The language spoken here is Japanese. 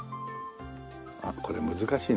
あっこれ難しいね。